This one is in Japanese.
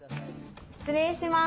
失礼します。